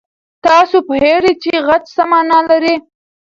تاسو پوهېږئ چې خج څه مانا لري؟